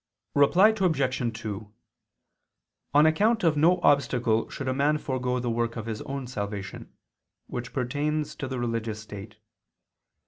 Reply Obj. 2: On account of no obstacle should a man forego the work of his own salvation, which pertains to the religious state.